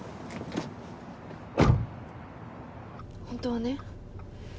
本当はね